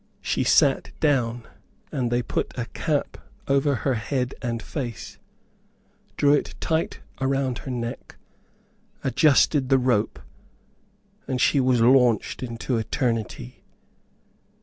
She sat down, and they put a cap over her head and face, drew it tight around her neck, adjusted the rope, and she was launched into eternity.